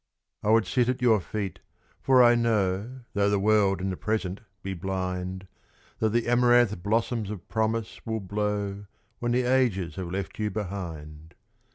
I would sit at your feet, for I know, Though the World in the Present be blind, That the amaranth blossoms of Promise will blow When the Ages have left you behind.